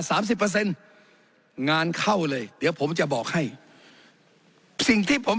สิบเปอร์เซ็นต์งานเข้าเลยเดี๋ยวผมจะบอกให้สิ่งที่ผม